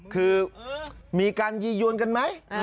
คือมีการยียวนกันไหม